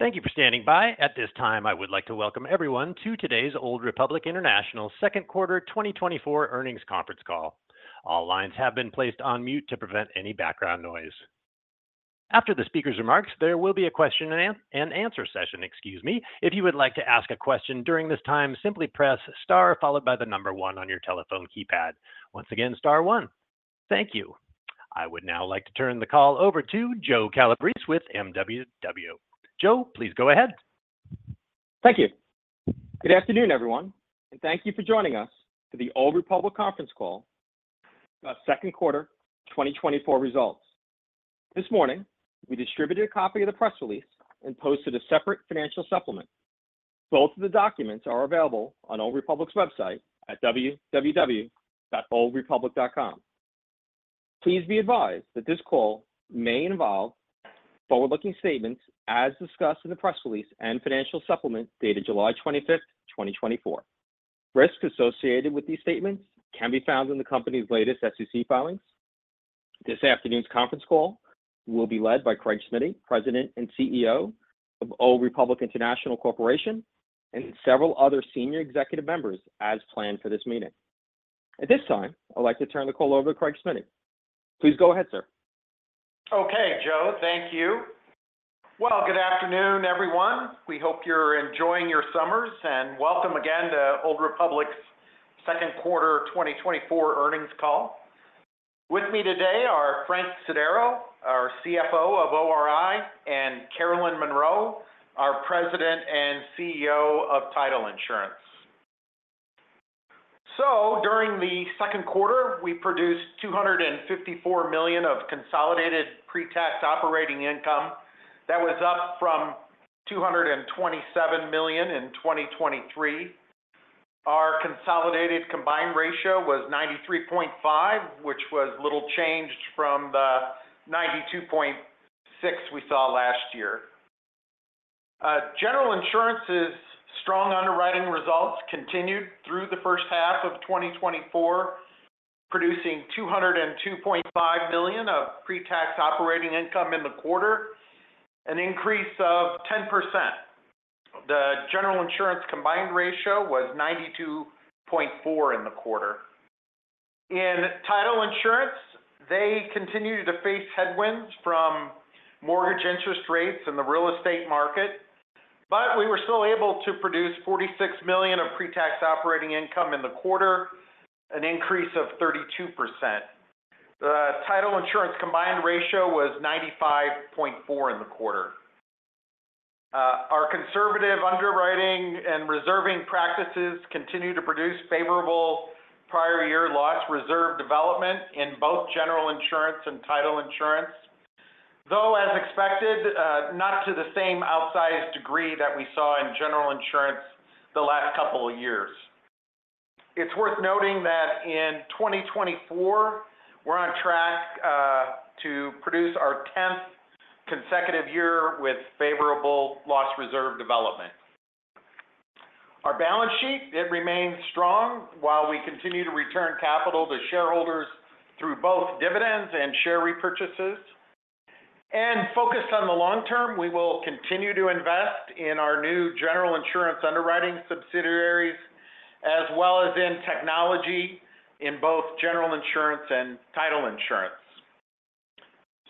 Thank you for standing by. At this time, I would like to welcome everyone to today's Old Republic International Second Quarter 2024 Earnings Conference Call. All lines have been placed on mute to prevent any background noise. After the speaker's remarks, there will be a question and answer session. Excuse me. If you would like to ask a question during this time, simply press star followed by the number one on your telephone keypad. Once again, star one. Thank you. I would now like to turn the call over to Joe Calabrese with MWW. Joe, please go ahead. Thank you. Good afternoon, everyone, and thank you for joining us for the Old Republic Conference Call, Second Quarter 2024 results. This morning, we distributed a copy of the press release and posted a separate financial supplement. Both of the documents are available on Old Republic's website at www.oldrepublic.com. Please be advised that this call may involve forward-looking statements as discussed in the press release and financial supplement dated July 25, 2024. Risks associated with these statements can be found in the company's latest SEC filings. This afternoon's conference call will be led by Craig Smiddy, President and CEO of Old Republic International Corporation, and several other senior executive members, as planned for this meeting. At this time, I'd like to turn the call over to Craig Smiddy. Please go ahead, sir. Okay, Joe, thank you. Well, good afternoon, everyone. We hope you're enjoying your summers, and welcome again to Old Republic's Second Quarter 2024 Earnings Call. With me today are Frank Sodaro, our CFO of ORI, and Carolyn Monroe, our President and CEO of Title Insurance. So during the second quarter, we produced $254 million of consolidated pre-tax operating income. That was up from $227 million in 2023. Our consolidated combined ratio was 93.5, which was little changed from the 92.6 we saw last year. General Insurance's strong underwriting results continued through the first half of 2024, producing $202.5 million of pre-tax operating income in the quarter, an increase of 10%. The General Insurance combined ratio was 92.4 in the quarter. In Title Insurance, they continued to face headwinds from mortgage interest rates and the real estate market, but we were still able to produce $46 million of pre-tax operating income in the quarter, an increase of 32%. The Title Insurance combined ratio was 95.4 in the quarter. Our conservative underwriting and reserving practices continue to produce favorable prior-year loss reserve development in both General Insurance and Title Insurance, though, as expected, not to the same outsized degree that we saw in General Insurance the last couple of years. It's worth noting that in 2024, we're on track to produce our 10th consecutive year with favorable loss reserve development. Our balance sheet, it remains strong while we continue to return capital to shareholders through both dividends and share repurchases. Focused on the long term, we will continue to invest in our new General Insurance underwriting subsidiaries, as well as in technology in both General Insurance and Title Insurance.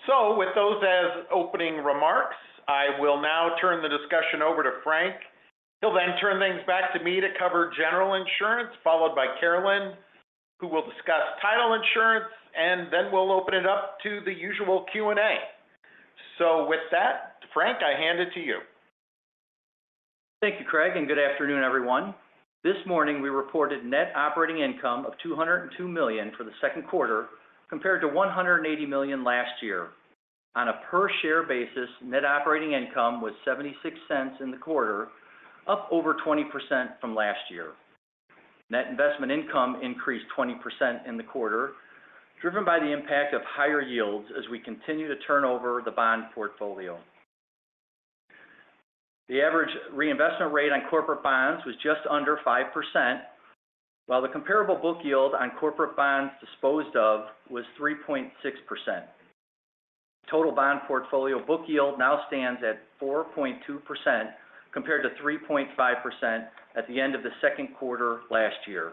So with those as opening remarks, I will now turn the discussion over to Frank. He'll then turn things back to me to cover General Insurance, followed by Carolyn, who will discuss Title Insurance, and then we'll open it up to the usual Q&A. So with that, Frank, I hand it to you. Thank you, Craig, and good afternoon, everyone. This morning, we reported net operating income of $202 million for the second quarter compared to $180 million last year. On a per-share basis, net operating income was $0.76 in the quarter, up over 20% from last year. Net investment income increased 20% in the quarter, driven by the impact of higher yields as we continue to turn over the bond portfolio. The average reinvestment rate on corporate bonds was just under 5%, while the comparable book yield on corporate bonds disposed of was 3.6%. Total bond portfolio book yield now stands at 4.2% compared to 3.5% at the end of the second quarter last year.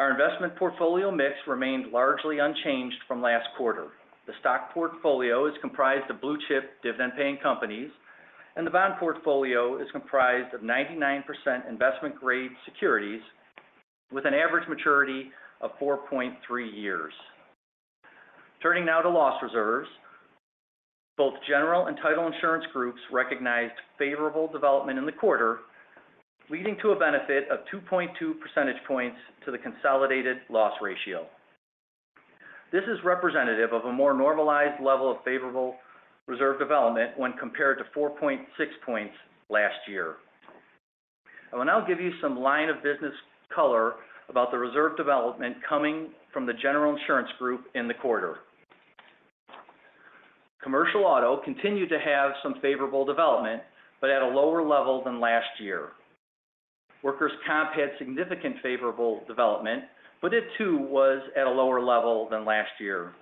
Our investment portfolio mix remained largely unchanged from last quarter. The stock portfolio is comprised of blue-chip dividend-paying companies, and the bond portfolio is comprised of 99% investment-grade securities with an average maturity of 4.3 years. Turning now to loss reserves, both General and Title Insurance Groups recognized favorable development in the quarter, leading to a benefit of 2.2 percentage points to the consolidated loss ratio. This is representative of a more normalized level of favorable reserve development when compared to 4.6 points last year. I will now give you some line of business color about the reserve development coming from the General Insurance Group in the quarter. Commercial auto continued to have some favorable development, but at a lower level than last year. Workers' Comp had significant favorable development, but it too was at a lower level than last year.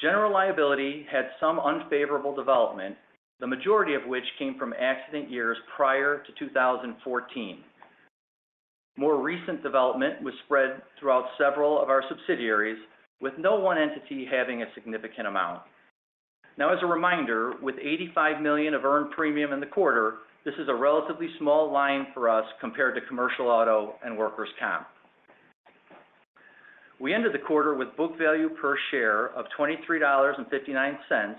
General liability had some unfavorable development, the majority of which came from accident years prior to 2014. More recent development was spread throughout several of our subsidiaries, with no one entity having a significant amount. Now, as a reminder, with $85 million of earned premium in the quarter, this is a relatively small line for us compared to commercial auto and workers' comp. We ended the quarter with book value per share of $23.59,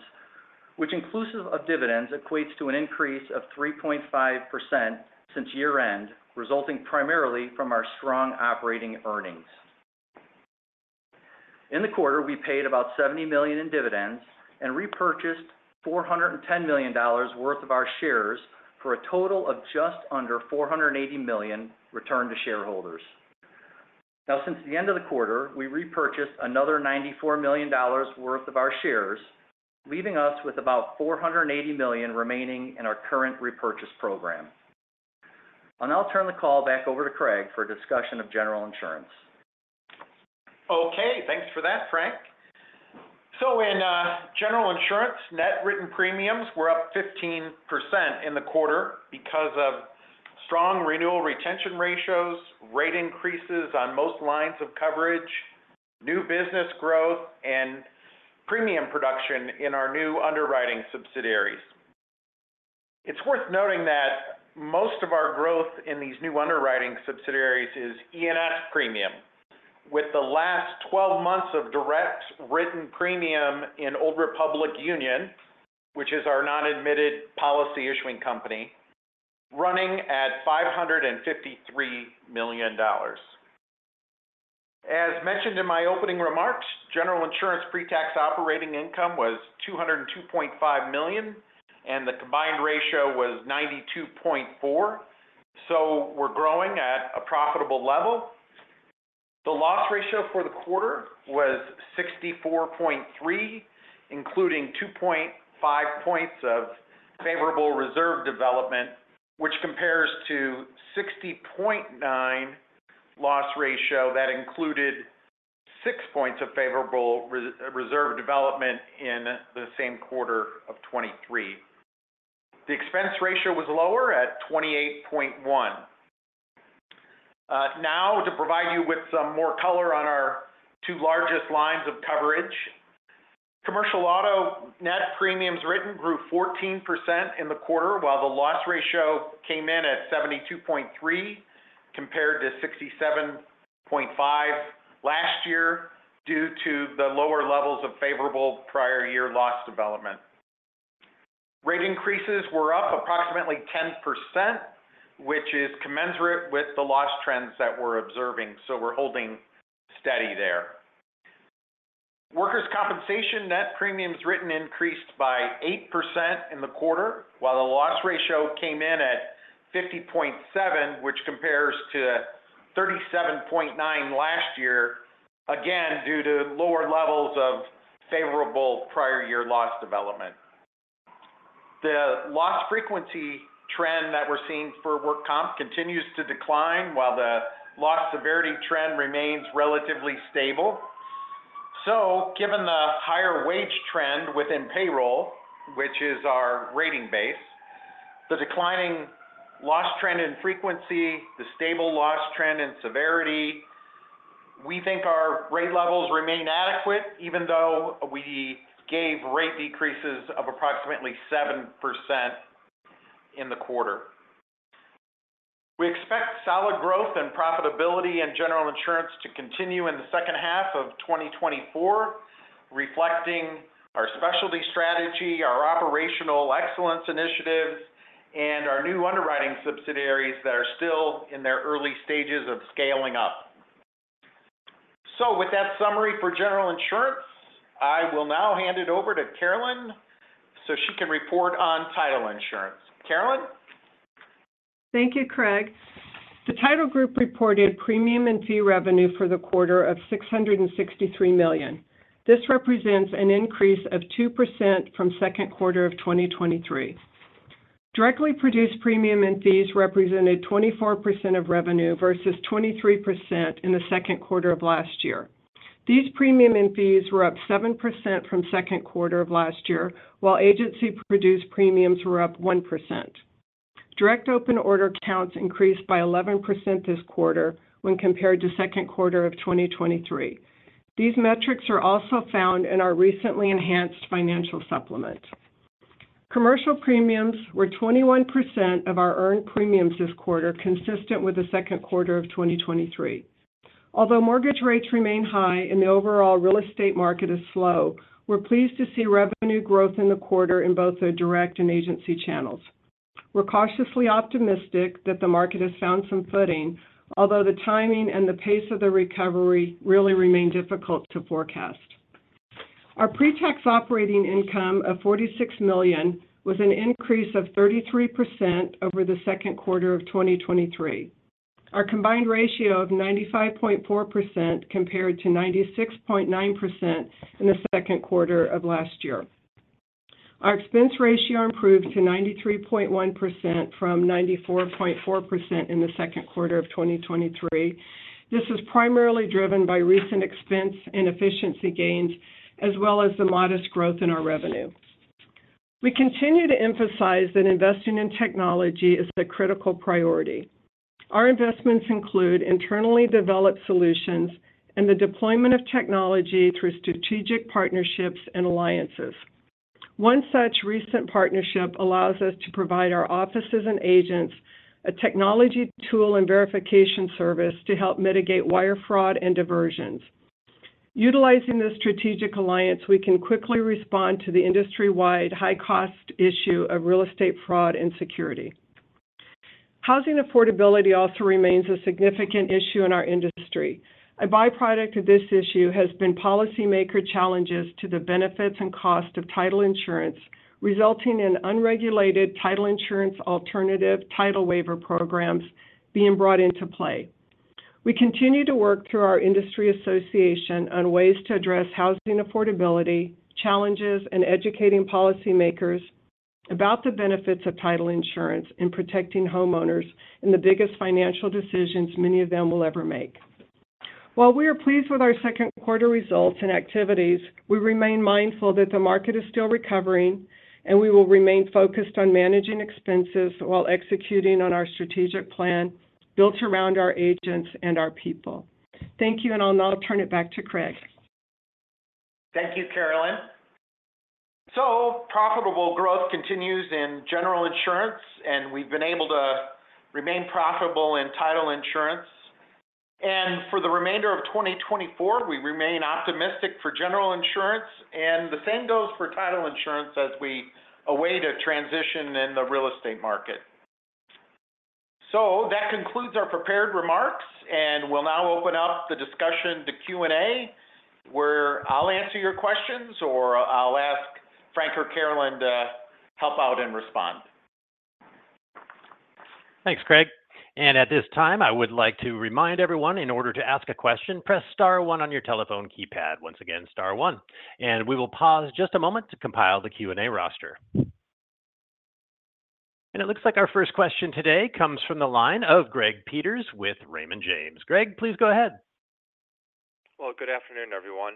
which inclusive of dividends equates to an increase of 3.5% since year-end, resulting primarily from our strong operating earnings. In the quarter, we paid about $70 million in dividends and repurchased $410 million worth of our shares for a total of just under $480 million returned to shareholders. Now, since the end of the quarter, we repurchased another $94 million worth of our shares, leaving us with about $480 million remaining in our current repurchase program. I'll now turn the call back over to Craig for a discussion of General Insurance. Okay, thanks for that, Frank. So in General Insurance, net written premiums were up 15% in the quarter because of strong renewal retention ratios, rate increases on most lines of coverage, new business growth, and premium production in our new underwriting subsidiaries. It's worth noting that most of our growth in these new underwriting subsidiaries is E&S premium, with the last 12 months of direct written premium in Old Republic Union, which is our non-admitted policy-issuing company, running at $553 million. As mentioned in my opening remarks, General Insurance pre-tax operating income was $202.5 million, and the combined ratio was 92.4%, so we're growing at a profitable level. The loss ratio for the quarter was 64.3%, including 2.5 points of favorable reserve development, which compares to 60.9% loss ratio that included 6 points of favorable reserve development in the same quarter of 2023. The expense ratio was lower at 28.1%. Now, to provide you with some more color on our two largest lines of coverage, commercial auto net premiums written grew 14% in the quarter, while the loss ratio came in at 72.3 compared to 67.5 last year due to the lower levels of favorable prior-year loss development. Rate increases were up approximately 10%, which is commensurate with the loss trends that we're observing, so we're holding steady there. Workers' compensation net premiums written increased by 8% in the quarter, while the loss ratio came in at 50.7, which compares to 37.9 last year, again due to lower levels of favorable prior-year loss development. The loss frequency trend that we're seeing for work comp continues to decline, while the loss severity trend remains relatively stable. So given the higher wage trend within payroll, which is our rating base, the declining loss trend in frequency, the stable loss trend in severity, we think our rate levels remain adequate, even though we gave rate decreases of approximately 7% in the quarter. We expect solid growth and profitability in General Insurance to continue in the second half of 2024, reflecting our specialty strategy, our operational excellence initiatives, and our new underwriting subsidiaries that are still in their early stages of scaling up. So with that summary for General Insurance, I will now hand it over to Carolyn so she can report on Title Insurance. Carolyn? Thank you, Craig. The Title Group reported premium and fee revenue for the quarter of $663 million. This represents an increase of 2% from second quarter of 2023. Directly produced premium and fees represented 24% of revenue versus 23% in the second quarter of last year. These premium and fees were up 7% from second quarter of last year, while agency-produced premiums were up 1%. Direct open order counts increased by 11% this quarter when compared to second quarter of 2023. These metrics are also found in our recently enhanced financial supplement. Commercial premiums were 21% of our earned premiums this quarter, consistent with the second quarter of 2023. Although mortgage rates remain high and the overall real estate market is slow, we're pleased to see revenue growth in the quarter in both the direct and agency channels. We're cautiously optimistic that the market has found some footing, although the timing and the pace of the recovery really remain difficult to forecast. Our pre-tax operating income of $46 million was an increase of 33% over the second quarter of 2023. Our combined ratio of 95.4% compared to 96.9% in the second quarter of last year. Our expense ratio improved to 93.1% from 94.4% in the second quarter of 2023. This is primarily driven by recent expense and efficiency gains, as well as the modest growth in our revenue. We continue to emphasize that investing in technology is the critical priority. Our investments include internally developed solutions and the deployment of technology through strategic partnerships and alliances. One such recent partnership allows us to provide our offices and agents a technology tool and verification service to help mitigate wire fraud and diversions. Utilizing this strategic alliance, we can quickly respond to the industry-wide high-cost issue of real estate fraud and security. Housing affordability also remains a significant issue in our industry. A byproduct of this issue has been policymaker challenges to the benefits and cost of title insurance, resulting in unregulated title insurance alternative title waiver programs being brought into play. We continue to work through our industry association on ways to address housing affordability challenges and educating policymakers about the benefits of title insurance in protecting homeowners in the biggest financial decisions many of them will ever make. While we are pleased with our second quarter results and activities, we remain mindful that the market is still recovering, and we will remain focused on managing expenses while executing on our strategic plan built around our agents and our people. Thank you, and I'll now turn it back to Craig. Thank you, Carolyn. So profitable growth continues in General Insurance, and we've been able to remain profitable in Title Insurance. And for the remainder of 2024, we remain optimistic for General Insurance, and the same goes for Title Insurance as we await a transition in the real estate market. So that concludes our prepared remarks, and we'll now open up the discussion to Q&A, where I'll answer your questions or I'll ask Frank or Carolyn to help out and respond. Thanks, Craig. At this time, I would like to remind everyone in order to ask a question, press star one on your telephone keypad. Once again, star one. We will pause just a moment to compile the Q&A roster. It looks like our first question today comes from the line of Greg Peters with Raymond James. Greg, please go ahead. Well, good afternoon, everyone.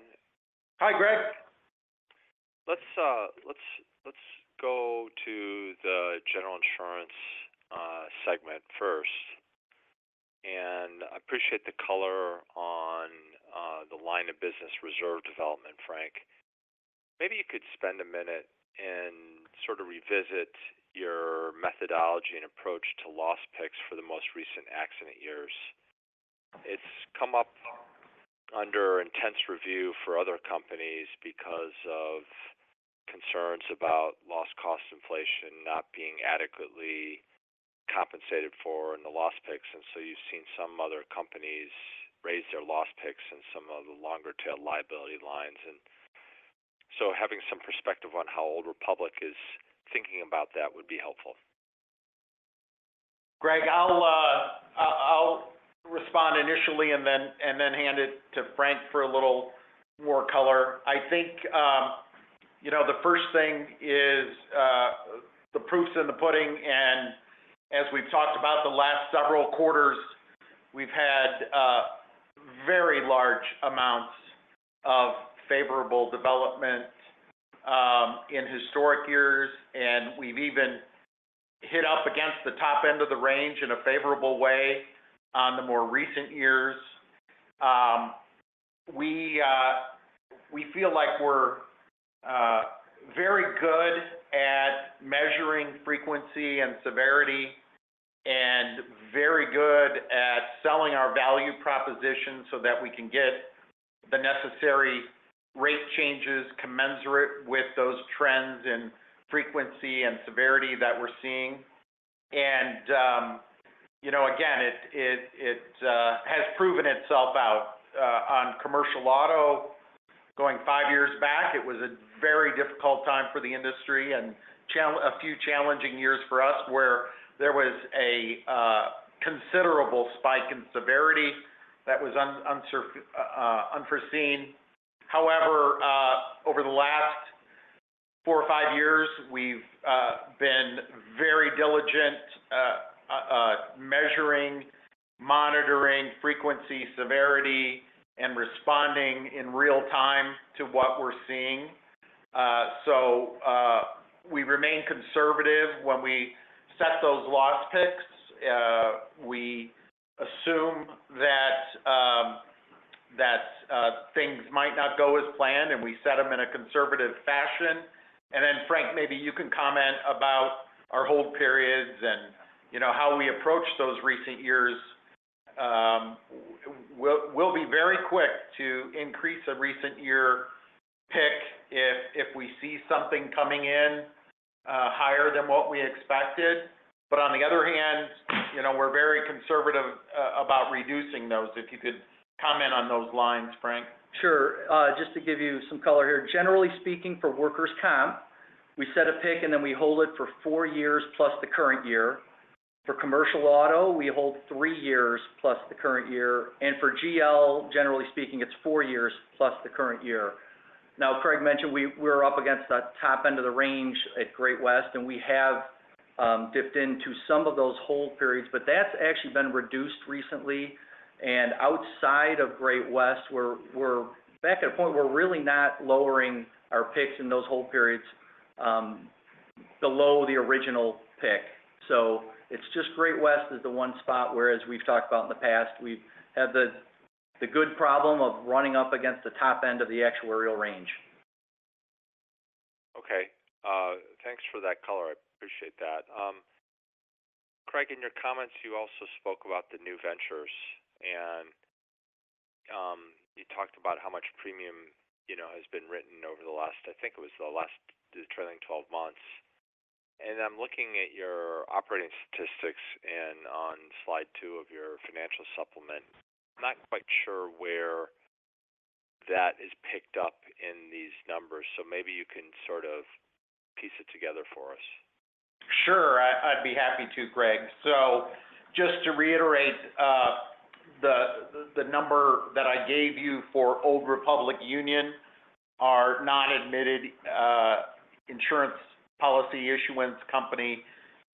Hi, Greg. Let's go to the General Insurance segment first. I appreciate the color on the line of business reserve development, Frank. Maybe you could spend a minute and sort of revisit your methodology and approach to loss picks for the most recent accident years. It's come up under intense review for other companies because of concerns about lost cost inflation not being adequately compensated for in the loss picks. So you've seen some other companies raise their loss picks in some of the longer-tail liability lines. So having some perspective on how Old Republic is thinking about that would be helpful. Greg, I'll respond initially and then hand it to Frank for a little more color. I think the first thing is the proof's in the pudding. As we've talked about, the last several quarters, we've had very large amounts of favorable development in historic years, and we've even hit up against the top end of the range in a favorable way on the more recent years. We feel like we're very good at measuring frequency and severity and very good at selling our value proposition so that we can get the necessary rate changes commensurate with those trends in frequency and severity that we're seeing. Again, it has proven itself out. On commercial auto, going five years back, it was a very difficult time for the industry and a few challenging years for us where there was a considerable spike in severity that was unforeseen. However, over the last four or five years, we've been very diligent measuring, monitoring frequency, severity, and responding in real time to what we're seeing. So we remain conservative when we set those loss picks. We assume that things might not go as planned, and we set them in a conservative fashion. And then, Frank, maybe you can comment about our hold periods and how we approach those recent years. We'll be very quick to increase a recent year pick if we see something coming in higher than what we expected. But on the other hand, we're very conservative about reducing those. If you could comment on those lines, Frank. Sure. Just to give you some color here, generally speaking, for workers' comp, we set a pick, and then we hold it for four years plus the current year. For commercial auto, we hold three years plus the current year. And for GL, generally speaking, it's four years plus the current year. Now, Craig mentioned we were up against that top end of the range at Great West, and we have dipped into some of those hold periods, but that's actually been reduced recently. And outside of Great West, we're back at a point where we're really not lowering our picks in those hold periods below the original pick. So it's just Great West is the one spot where, as we've talked about in the past, we've had the good problem of running up against the top end of the actuarial range. Okay. Thanks for that color. I appreciate that. Craig, in your comments, you also spoke about the new ventures, and you talked about how much premium has been written over the last, I think it was the last trailing 12 months. And I'm looking at your operating statistics on slide two of your financial supplement. I'm not quite sure where that is picked up in these numbers, so maybe you can sort of piece it together for us. Sure. I'd be happy to, Craig. So just to reiterate, the number that I gave you for Old Republic Union, our non-admitted insurance policy issuance company,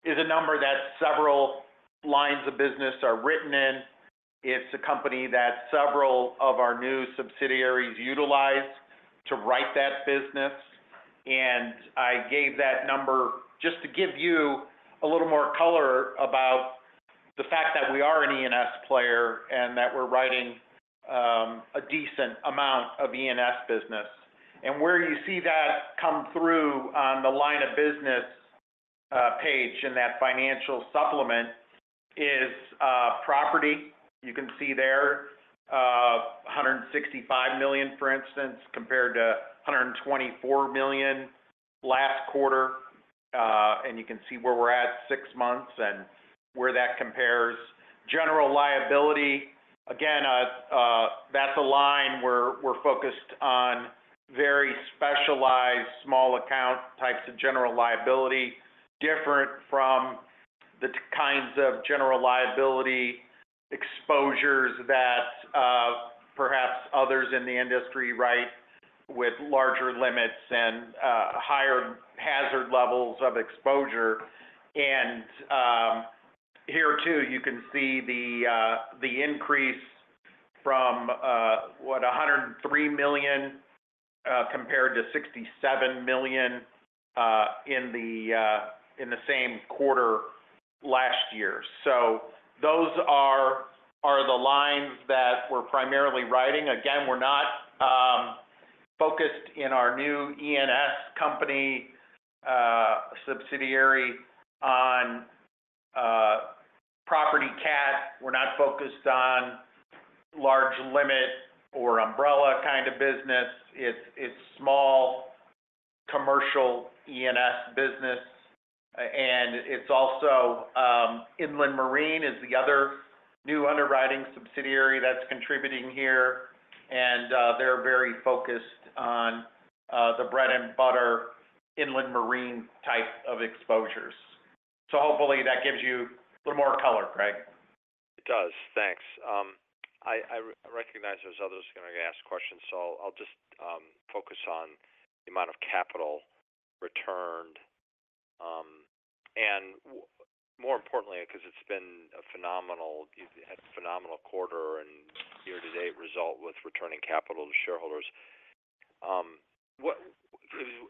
is a number that several lines of business are written in. It's a company that several of our new subsidiaries utilize to write that business. And I gave that number just to give you a little more color about the fact that we are an E&S player and that we're writing a decent amount of E&S business. And where you see that come through on the line of business page in that financial supplement is property. You can see there, $165 million, for instance, compared to $124 million last quarter. And you can see where we're at six months and where that compares. General liability, again, that's a line where we're focused on very specialized small account types of general liability, different from the kinds of general liability exposures that perhaps others in the industry write with larger limits and higher hazard levels of exposure. And here too, you can see the increase from, what, $103 million compared to $67 million in the same quarter last year. So those are the lines that we're primarily writing. Again, we're not focused in our new E&S company subsidiary on property cat. We're not focused on large limit or umbrella kind of business. It's small commercial E&S business. And it's also Inland Marine is the other new underwriting subsidiary that's contributing here. And they're very focused on the bread and butter Inland Marine type of exposures. So hopefully that gives you a little more color, Craig. It does. Thanks. I recognize there's others going to ask questions, so I'll just focus on the amount of capital returned. More importantly, because it's been a phenomenal quarter and year-to-date result with returning capital to shareholders,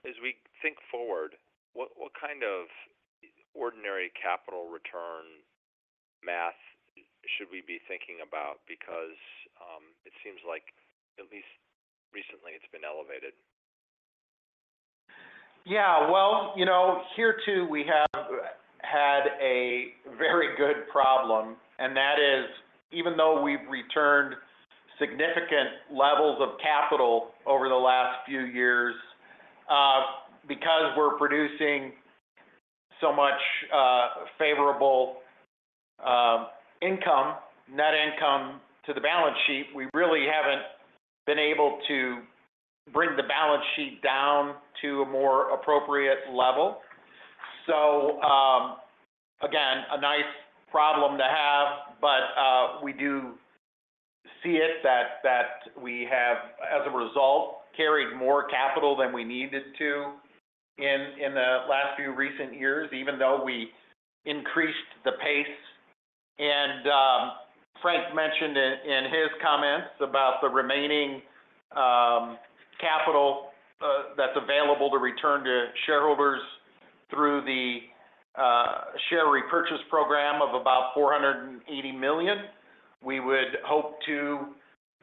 as we think forward, what kind of ordinary capital return math should we be thinking about? Because it seems like at least recently it's been elevated. Yeah. Well, here too, we have had a very good problem. And that is, even though we've returned significant levels of capital over the last few years, because we're producing so much favorable income, net income to the balance sheet, we really haven't been able to bring the balance sheet down to a more appropriate level. So again, a nice problem to have, but we do see it that we have, as a result, carried more capital than we needed to in the last few recent years, even though we increased the pace. And Frank mentioned in his comments about the remaining capital that's available to return to shareholders through the share repurchase program of about $480 million. We would hope to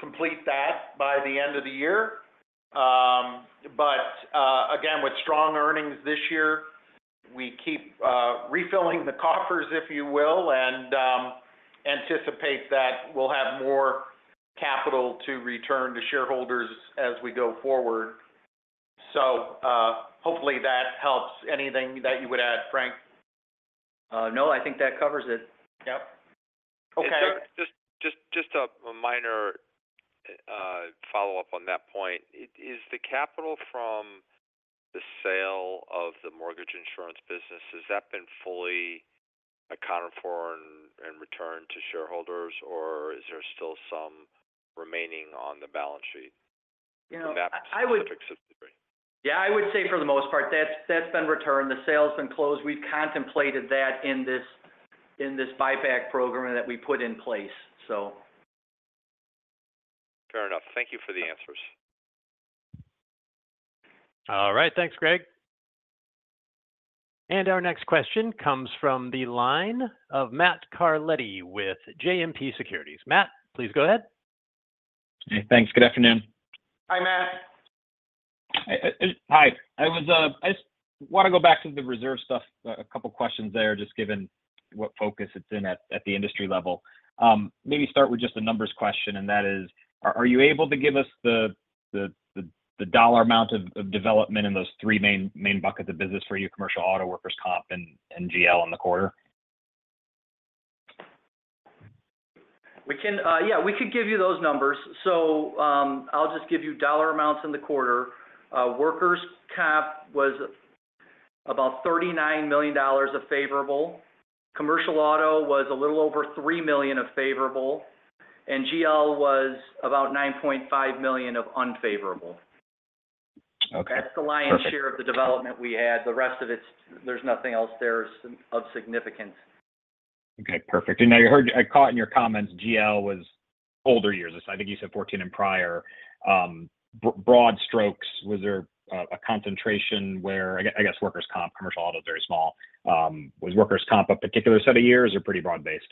complete that by the end of the year. But again, with strong earnings this year, we keep refilling the coffers, if you will, and anticipate that we'll have more capital to return to shareholders as we go forward. So hopefully that helps. Anything that you would add, Frank? No, I think that covers it. Yep. Okay. Just a minor follow-up on that point. Is the capital from the sale of the mortgage insurance business, has that been fully accounted for and returned to shareholders, or is there still some remaining on the balance sheet in that specific subsidiary? Yeah, I would say for the most part, that's been returned. The sale has been closed. We've contemplated that in this buyback program that we put in place, so. Fair enough. Thank you for the answers. All right. Thanks, Greg. And our next question comes from the line of Matt Carletti with JMP Securities. Matt, please go ahead. Hey, thanks. Good afternoon. Hi, Matt. Hi. I want to go back to the reserve stuff, a couple of questions there, just given what focus it's in at the industry level. Maybe start with just a numbers question, and that is, are you able to give us the dollar amount of development in those three main buckets of business for your commercial auto, workers' comp, and GL in the quarter? Yeah, we could give you those numbers. So I'll just give you dollar amounts in the quarter. Workers' comp was about $39 million of favorable. Commercial auto was a little over $3 million of favorable. And GL was about $9.5 million of unfavorable. That's the lion's share of the development we had. The rest of it, there's nothing else there of significance. Okay. Perfect. And I caught in your comments, GL was older years. I think you said 2014 and prior. Broad strokes, was there a concentration where I guess workers' comp, commercial auto is very small. Was workers' comp a particular set of years or pretty broad-based?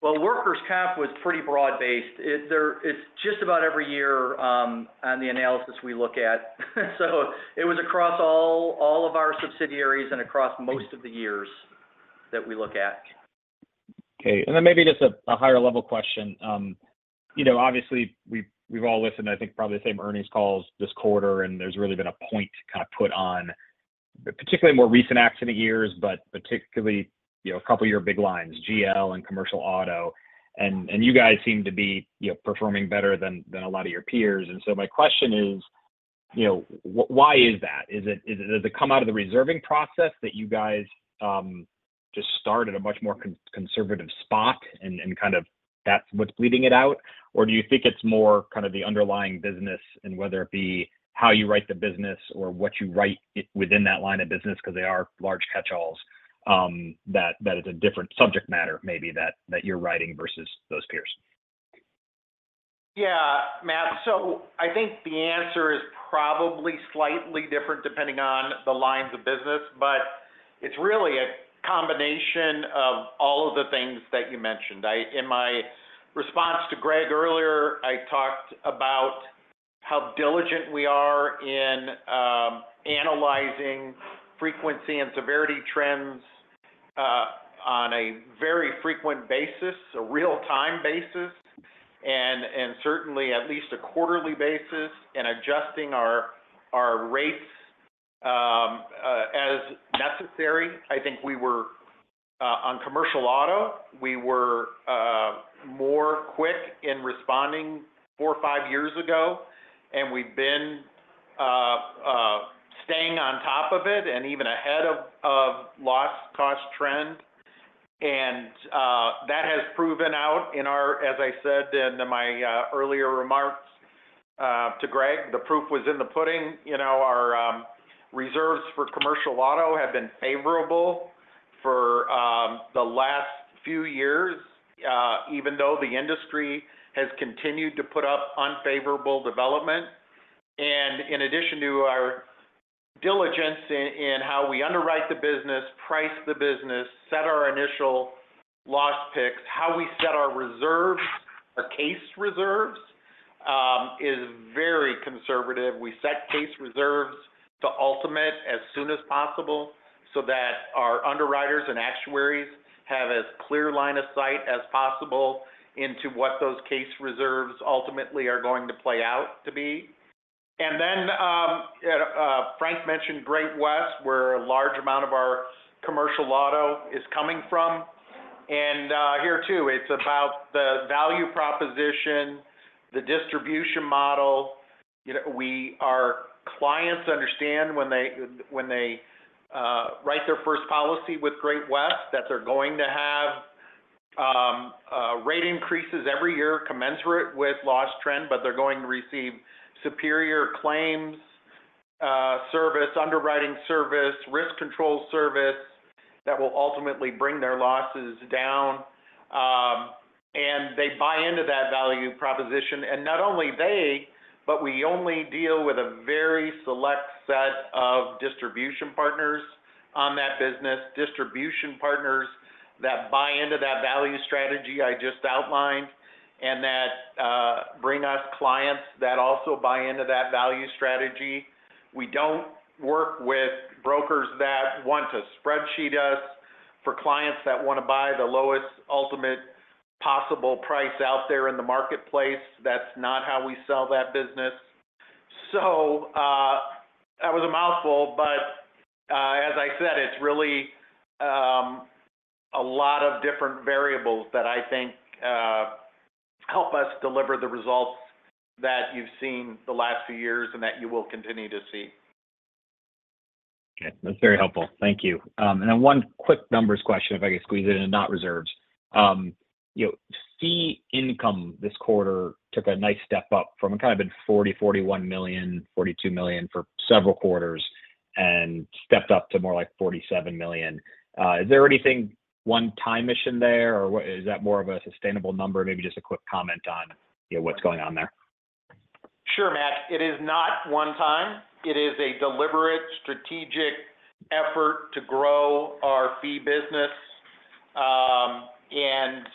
Well, workers' comp was pretty broad-based. It's just about every year on the analysis we look at. So it was across all of our subsidiaries and across most of the years that we look at. Okay. And then maybe just a higher-level question. Obviously, we've all listened, I think, probably the same earnings calls this quarter, and there's really been a point kind of put on particularly more recent accident years, but particularly a couple of year big lines, GL and commercial auto. And you guys seem to be performing better than a lot of your peers. And so my question is, why is that? Does it come out of the reserving process that you guys just start at a much more conservative spot and kind of that's what's bleeding it out? Or do you think it's more kind of the underlying business and whether it be how you write the business or what you write within that line of business because they are large catch-alls that it's a different subject matter maybe that you're writing versus those peers? Yeah, Matt. So I think the answer is probably slightly different depending on the lines of business, but it's really a combination of all of the things that you mentioned. In my response to Greg earlier, I talked about how diligent we are in analyzing frequency and severity trends on a very frequent basis, a real-time basis, and certainly at least a quarterly basis, and adjusting our rates as necessary. I think on commercial auto, we were more quick in responding 4 or 5 years ago, and we've been staying on top of it and even ahead of loss cost trend. And that has proven out in our, as I said in my earlier remarks to Greg, the proof was in the pudding. Our reserves for commercial auto have been favorable for the last few years, even though the industry has continued to put up unfavorable development. In addition to our diligence in how we underwrite the business, price the business, set our initial loss picks, how we set our reserves, our case reserves is very conservative. We set case reserves to ultimate as soon as possible so that our underwriters and actuaries have as clear line of sight as possible into what those case reserves ultimately are going to play out to be. Then Frank mentioned Great West, where a large amount of our commercial auto is coming from. And here too, it's about the value proposition, the distribution model. Our clients understand when they write their first policy with Great West that they're going to have rate increases every year commensurate with loss trend, but they're going to receive superior claims service, underwriting service, risk control service that will ultimately bring their losses down. And they buy into that value proposition. And not only they, but we only deal with a very select set of distribution partners on that business, distribution partners that buy into that value strategy I just outlined and that bring us clients that also buy into that value strategy. We don't work with brokers that want to spreadsheet us for clients that want to buy the lowest ultimate possible price out there in the marketplace. That's not how we sell that business. So that was a mouthful, but as I said, it's really a lot of different variables that I think help us deliver the results that you've seen the last few years and that you will continue to see. Okay. That's very helpful. Thank you. Then one quick numbers question, if I could squeeze it in, and not reserves. Fee income this quarter took a nice step up from kind of been $40 million, $41 million, $42 million for several quarters and stepped up to more like $47 million. Is there anything one-time-ish in there, or is that more of a sustainable number? Maybe just a quick comment on what's going on there. Sure, Matt. It is not one-time. It is a deliberate strategic effort to grow our fee business. And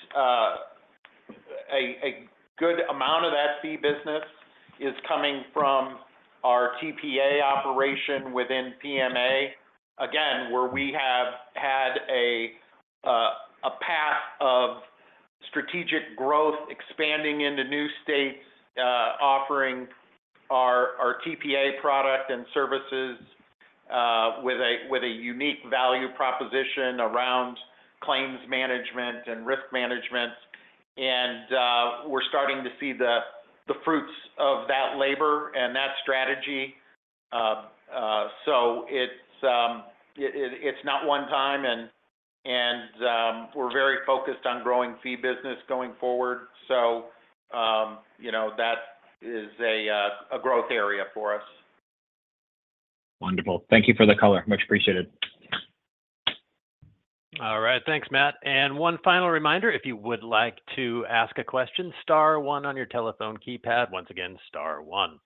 a good amount of that fee business is coming from our TPA operation within PMA, again, where we have had a path of strategic growth, expanding into new states, offering our TPA product and services with a unique value proposition around claims management and risk management. And we're starting to see the fruits of that labor and that strategy. So it's not one-time, and we're very focused on growing fee business going forward. So that is a growth area for us. Wonderful. Thank you for the color. Much appreciated. All right. Thanks, Matt. And one final reminder, if you would like to ask a question, star one on your telephone keypad. Once again, star one.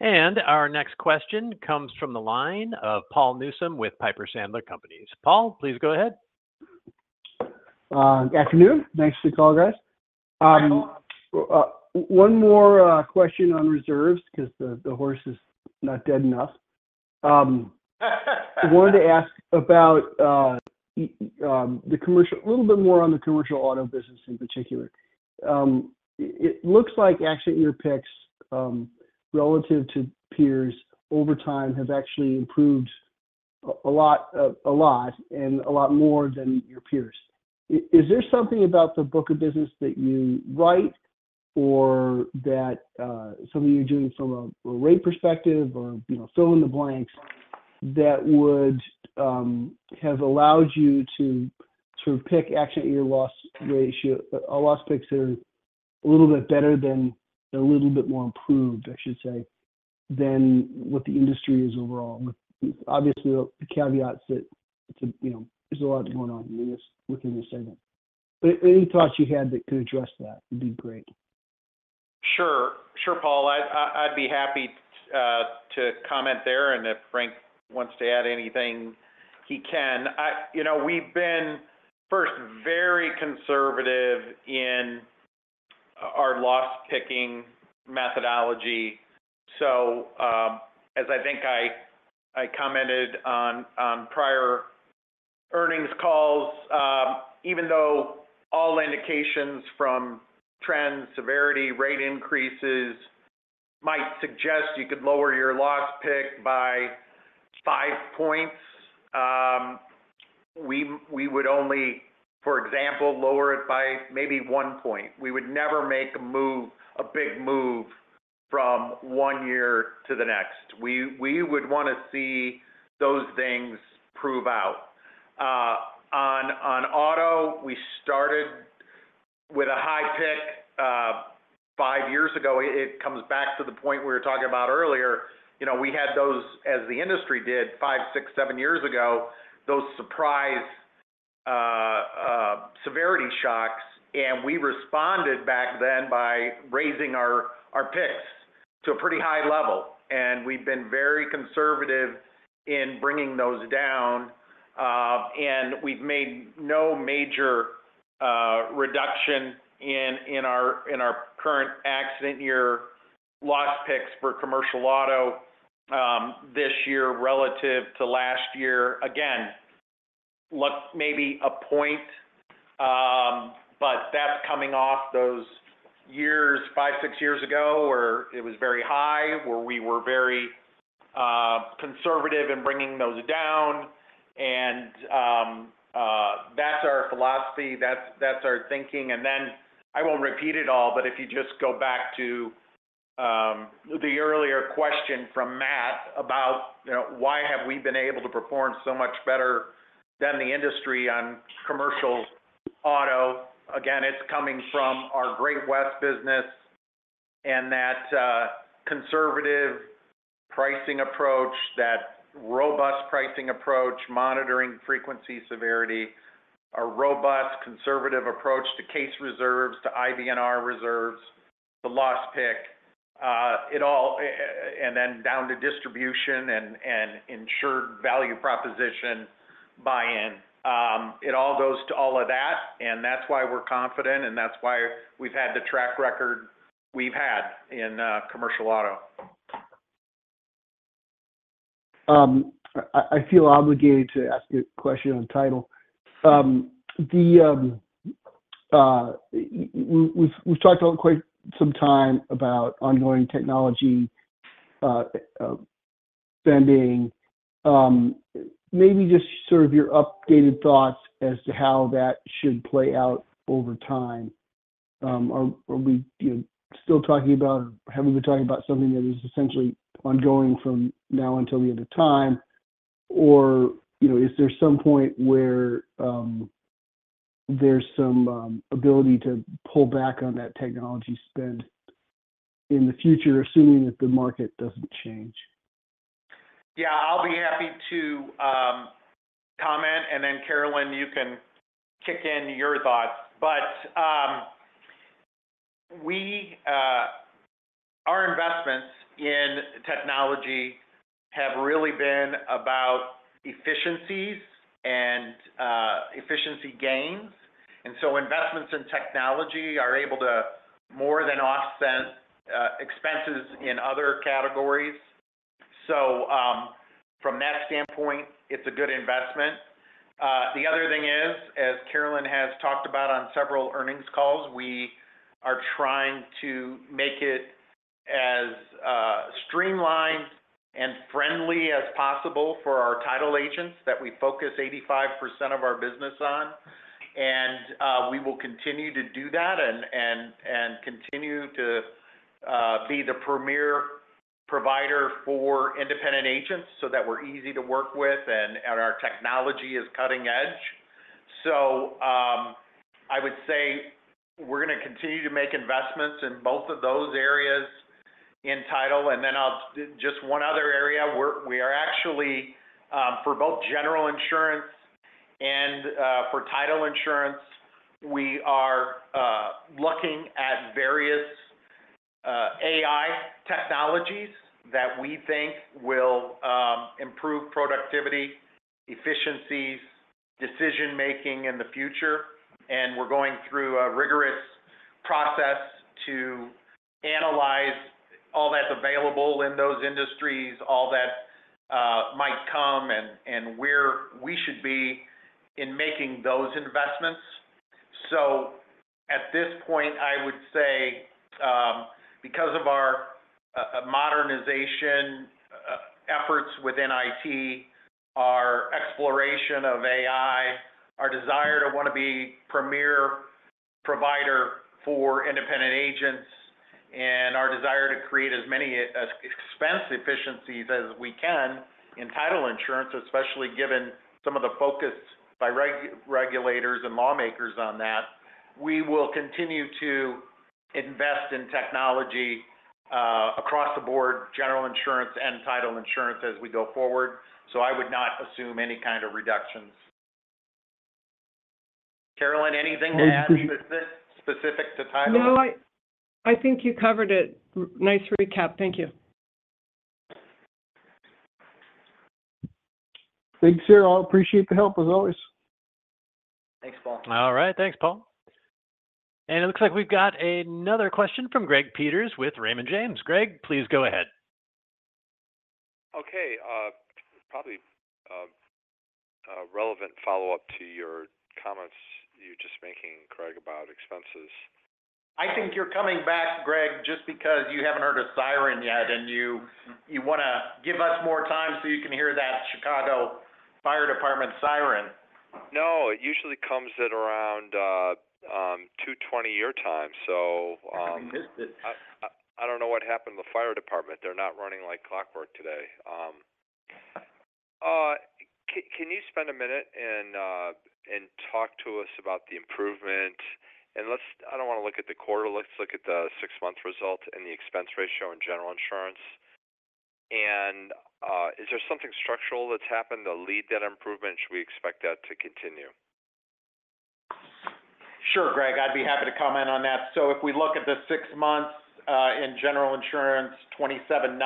And our next question comes from the line of Paul Newsome with Piper Sandler Companies. Paul, please go ahead. Good afternoon. Nice to call, guys. One more question on reserves because the horse is not dead enough. I wanted to ask about a little bit more on the commercial auto business in particular. It looks like actually your picks relative to peers over time have actually improved a lot and a lot more than your peers. Is there something about the book of business that you write or that something you're doing from a rate perspective or fill in the blanks that would have allowed you to sort of pick actually your loss picks that are a little bit better than a little bit more improved, I should say, than what the industry is overall? Obviously, the caveats that there's a lot going on within this segment. Any thoughts you had that could address that would be great. Sure. Sure, Paul. I'd be happy to comment there. And if Frank wants to add anything, he can. We've been first very conservative in our loss-picking methodology. So as I think I commented on prior earnings calls, even though all indications from trends, severity, rate increases might suggest you could lower your loss pick by five points, we would only, for example, lower it by maybe one point. We would never make a big move from one year to the next. We would want to see those things prove out. On auto, we started with a high pick five years ago. It comes back to the point we were talking about earlier. We had those, as the industry did, five, six, seven years ago, those surprise severity shocks. And we responded back then by raising our picks to a pretty high level. We've been very conservative in bringing those down. We've made no major reduction in our current accident year loss picks for commercial auto this year relative to last year. Again, maybe a point, but that's coming off those years five, six years ago where it was very high, where we were very conservative in bringing those down. That's our philosophy. That's our thinking. I won't repeat it all, but if you just go back to the earlier question from Matt about why have we been able to perform so much better than the industry on commercial auto. Again, it's coming from our Great West business and that conservative pricing approach, that robust pricing approach, monitoring frequency, severity, a robust conservative approach to case reserves, to IBNR reserves, the loss pick, and then down to distribution and insured value proposition buy-in. It all goes to all of that. That's why we're confident, and that's why we've had the track record we've had in commercial auto. I feel obligated to ask a question on title. We've talked quite some time about ongoing technology spending. Maybe just sort of your updated thoughts as to how that should play out over time. Are we still talking about or have we been talking about something that is essentially ongoing from now until the end of time? Or is there some point where there's some ability to pull back on that technology spend in the future, assuming that the market doesn't change? Yeah. I'll be happy to comment. Then Carolyn, you can kick in your thoughts. But our investments in technology have really been about efficiencies and efficiency gains. So investments in technology are able to more than offset expenses in other categories. From that standpoint, it's a good investment. The other thing is, as Carolyn has talked about on several earnings calls, we are trying to make it as streamlined and friendly as possible for our title agents that we focus 85% of our business on. We will continue to do that and continue to be the premier provider for independent agents so that we're easy to work with and our technology is cutting edge. So I would say we're going to continue to make investments in both of those areas in title. Then just one other area. We are actually, for both general insurance and for title insurance, we are looking at various AI technologies that we think will improve productivity, efficiencies, decision-making in the future. And we're going through a rigorous process to analyze all that's available in those industries, all that might come, and where we should be in making those investments. So at this point, I would say because of our modernization efforts within IT, our exploration of AI, our desire to want to be premier provider for independent agents, and our desire to create as many expense efficiencies as we can in title insurance, especially given some of the focus by regulators and lawmakers on that, we will continue to invest in technology across the board, general insurance and title insurance as we go forward. So I would not assume any kind of reductions. Carolyn, anything to add specific to title? No, I think you covered it. Nice recap. Thank you. Thanks, sir. I'll appreciate the help as always. Thanks, Paul. All right. Thanks, Paul. And it looks like we've got another question from Greg Peters with Raymond James. Greg, please go ahead. Okay. Probably a relevant follow-up to your comments you're just making, Craig, about expenses. I think you're coming back, Greg, just because you haven't heard a siren yet, and you want to give us more time so you can hear that Chicago Fire Department siren. No, it usually comes at around 2:20 your time. So I don't know what happened with the fire department. They're not running like clockwork today. Can you spend a minute and talk to us about the improvement? I don't want to look at the quarter. Let's look at the six-month result and the expense ratio in general insurance. Is there something structural that's happened that led that improvement? Should we expect that to continue? Sure, Greg. I'd be happy to comment on that. So if we look at the six months in general insurance, 27.9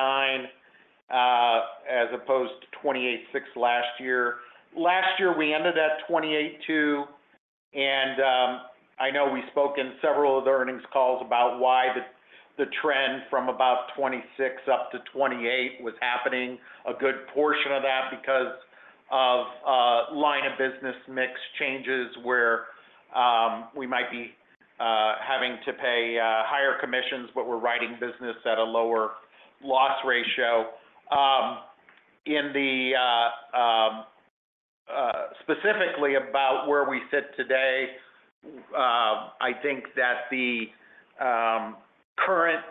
as opposed to 28.6 last year. Last year, we ended at 28.2. And I know we spoke in several of the earnings calls about why the trend from about 26 up to 28 was happening. A good portion of that because of line of business mix changes where we might be having to pay higher commissions, but we're writing business at a lower loss ratio. Specifically about where we sit today, I think that the current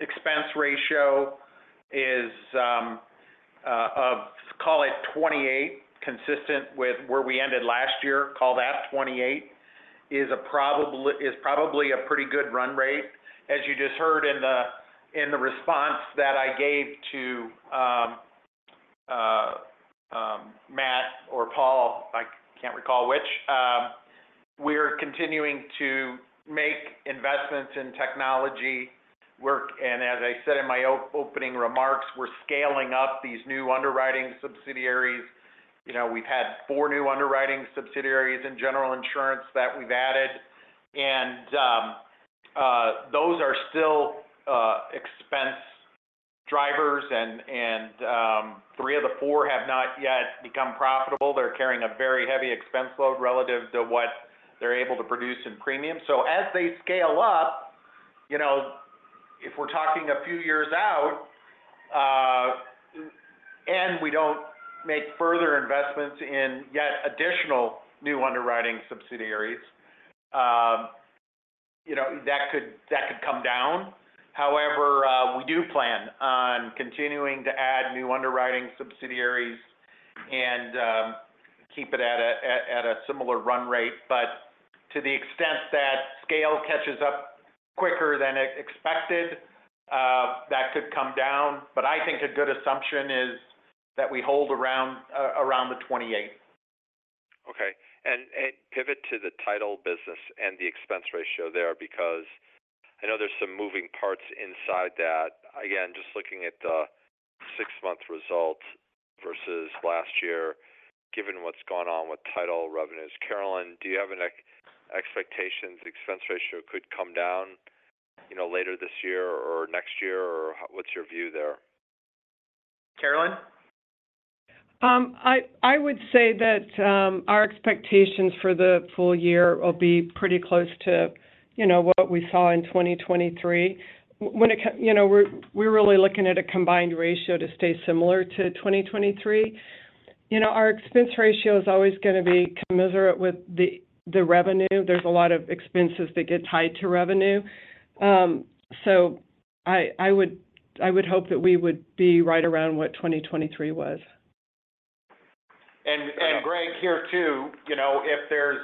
expense ratio is of, call it 28, consistent with where we ended last year. Call that 28 is probably a pretty good run rate. As you just heard in the response that I gave to Matt or Paul, I can't recall which, we're continuing to make investments in technology work. As I said in my opening remarks, we're scaling up these new underwriting subsidiaries. We've had four new underwriting subsidiaries in general insurance that we've added. Those are still expense drivers, and three of the four have not yet become profitable. They're carrying a very heavy expense load relative to what they're able to produce in premium. As they scale up, if we're talking a few years out and we don't make further investments in yet additional new underwriting subsidiaries, that could come down. However, we do plan on continuing to add new underwriting subsidiaries and keep it at a similar run rate. To the extent that scale catches up quicker than expected, that could come down. I think a good assumption is that we hold around the 28. Okay. Pivot to the title business and the expense ratio there because I know there's some moving parts inside that. Again, just looking at the six-month result versus last year, given what's gone on with title revenues. Carolyn, do you have an expectation the expense ratio could come down later this year or next year? Or what's your view there? Carolyn? I would say that our expectations for the full year will be pretty close to what we saw in 2023. We're really looking at a combined ratio to stay similar to 2023. Our expense ratio is always going to be commensurate with the revenue. There's a lot of expenses that get tied to revenue. So I would hope that we would be right around what 2023 was. And Greg, here too, if there's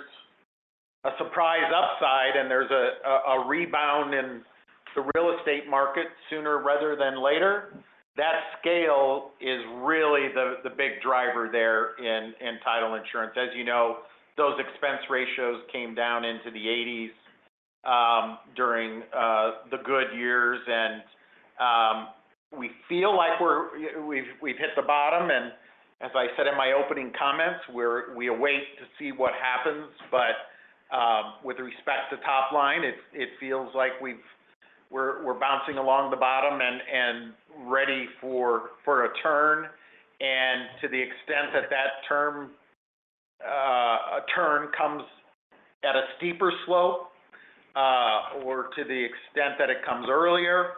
a surprise upside and there's a rebound in the real estate market sooner rather than later, that scale is really the big driver there in title insurance. As you know, those expense ratios came down into the 80s during the good years. We feel like we've hit the bottom. As I said in my opening comments, we await to see what happens. But with respect to top line, it feels like we're bouncing along the bottom and ready for a turn. To the extent that that turn comes at a steeper slope or to the extent that it comes earlier,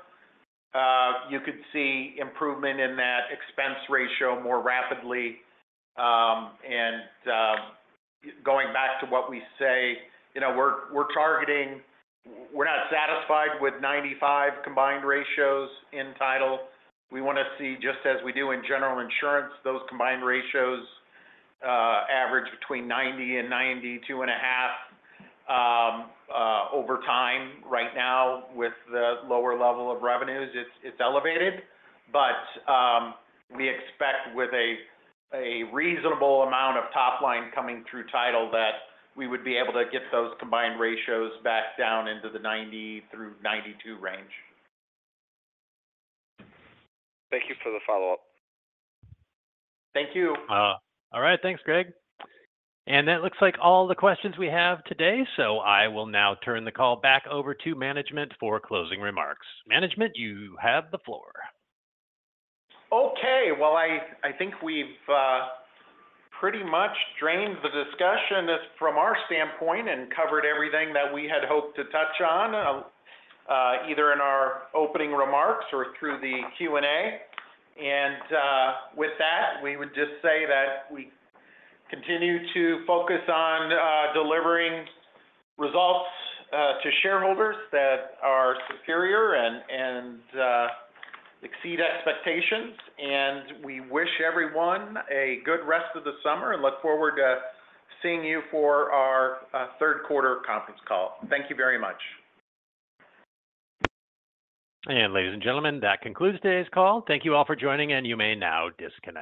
you could see improvement in that expense ratio more rapidly. Going back to what we say, we're not satisfied with 95 combined ratios in title. We want to see, just as we do in general insurance, those combined ratios average between 90 and 92.5 over time. Right now, with the lower level of revenues, it's elevated. But we expect with a reasonable amount of top line coming through title that we would be able to get those combined ratios back down into the 90 through 92 range. Thank you for the follow-up. Thank you. All right. Thanks, Greg. And that looks like all the questions we have today. So I will now turn the call back over to management for closing remarks. Management, you have the floor. Okay. Well, I think we've pretty much drained the discussion from our standpoint and covered everything that we had hoped to touch on either in our opening remarks or through the Q&A. With that, we would just say that we continue to focus on delivering results to shareholders that are superior and exceed expectations. We wish everyone a good rest of the summer and look forward to seeing you for our third quarter conference call. Thank you very much. Ladies and gentlemen, that concludes today's call. Thank you all for joining, and you may now disconnect.